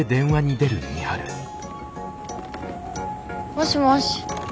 もしもし。